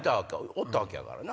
おったわけやからな。